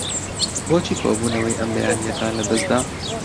بۆچی کۆبوونەوەی ئەم بەیانییەتان لەدەست دا؟